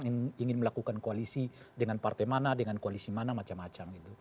yang ingin melakukan koalisi dengan partai mana dengan koalisi mana macam macam